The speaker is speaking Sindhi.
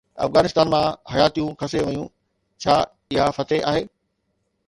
افغانستان مان حياتيون کسي ويون، ڇا اها فتح آهي؟